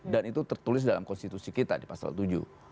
dan itu tertulis dalam konstitusi kita di pasal tujuh